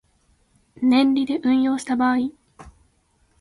年利で運用した場合